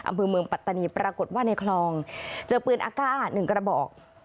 อำเภอเมืองปัตตานีปรากฏว่าในคลองเจอปืนอากาศ๑กระบอก